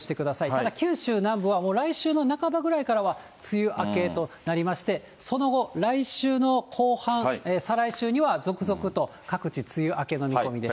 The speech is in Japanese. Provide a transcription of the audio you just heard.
ただ九州南部はもう来週の半ばぐらいからは梅雨明けとなりまして、その後、来週の後半、再来週には続々と各地、梅雨明けの見込みです。